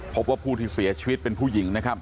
พบว่าผู้ที่เสียชีวิตเป็นผู้หญิงนะครับ